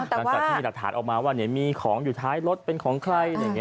หลังจากที่หลักฐานออกมาว่ามีของอยู่ท้ายรถเป็นของใคร